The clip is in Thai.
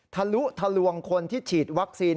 ทะลุทะลวงคนที่ฉีดวัคซีน